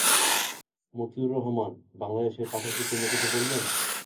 মতিউর রহমান বাংলাদেশের পাঠকদের জন্য কিছু বলবেন?